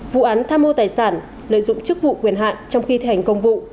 vụ án tham mô tài sản lợi dụng chức vụ quyền hạn trong khi thi hành công vụ